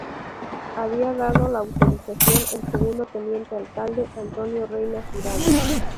Había dado la autorización el segundo teniente alcalde, Antonio Reina Jurado.